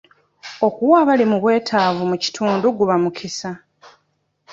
Okuwa abali mu bwetaavu mu kitundu guba mukisa.